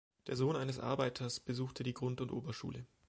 Der Sohn eines Arbeiters besuchte die Grund- und Oberschule.